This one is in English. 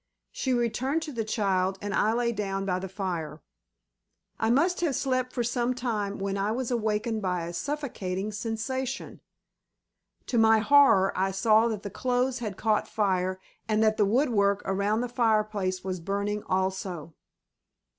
She returned to the child and I lay down by the fire. I must have slept for some time when I was awakened by a suffocating sensation. To my horror I saw that the clothes had caught fire and that the wood work around the fireplace was burning also.